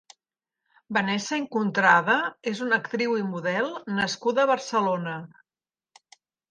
Vanessa Incontrada és una actriu i model nascuda a Barcelona.